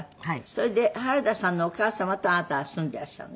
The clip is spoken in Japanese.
それで原田さんのお母様とあなたは住んでいらっしゃる？